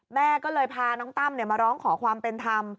แม่ก็เลยพาน้องตั้มมาร้องขอความเป็นธรรม